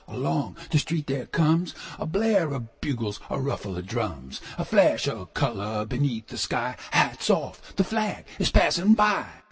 Along the street there comesA blare of bugles, a ruffle of drums,A flash of color beneath the sky:Hats off! The flag is passing by!